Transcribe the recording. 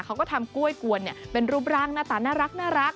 เขาก็ทำกล้วยกวนเป็นรูปร่างหน้าตาน่ารัก